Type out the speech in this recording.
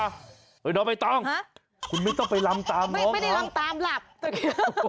น้องไอ้ต้องคุณไม่ต้องไปลำตามน้องนะครับตะกี้